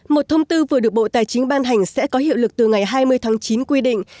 một thông tư vừa được bộ tài chính ban hành sẽ có hiệu lực từ ngày hai mươi tháng chín quy định